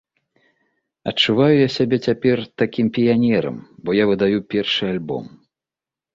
Адчуваю я сябе цяпер такім піянерам, бо я выдаю першы альбом!